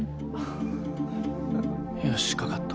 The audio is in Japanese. よしかかった。